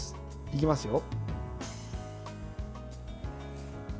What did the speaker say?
いきますよ。